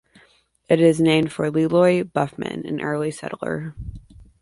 It is named for Leroy Buffman, an early settler.